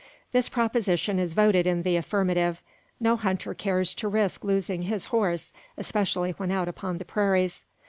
This proposition is voted in the affirmative. No hunter cares to risk losing his horse, especially when out upon the prairies.